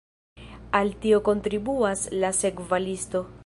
Al tio kontribuas la sekva listo.